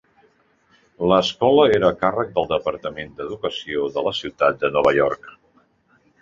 L'escola era a càrrec del departament d'educació de la ciutat de Nova York.